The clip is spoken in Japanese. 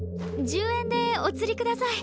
１０円でおつりください。